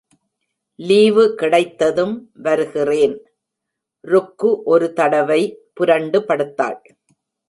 Leave கிடைத்ததும் வருகிறேன். ருக்கு ஒரு தடவை புரண்டு படுத்தாள்.